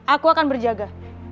aku akan berjaga